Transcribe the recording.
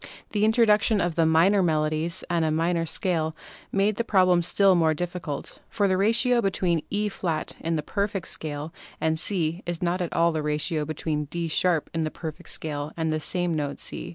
The introduction of minor melodies and a minor scale made the problem still more difficult, for the ratio between E& in the "perfect" scale and C is not at all the ratio between D # in the "perfect" scale and the same note C.